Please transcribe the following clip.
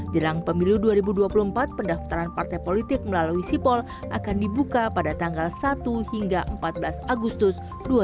jelang pemilu dua ribu dua puluh empat pendaftaran partai politik melalui sipol akan dibuka pada tanggal satu hingga empat belas agustus dua ribu dua puluh